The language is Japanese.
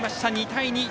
２対２。